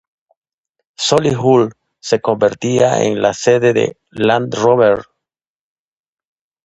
Solihull se convertiría en la sede de Land Rover.